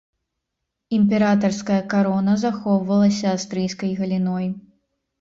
Імператарская карона захоўвалася аўстрыйскай галіной.